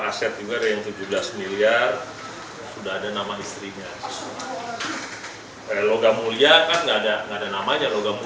aset juga ada yang tujuh belas miliar sudah ada nama istrinya kalau logam mulia kan nggak ada nggak ada namanya logam